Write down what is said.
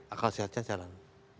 akal sehatnya jalan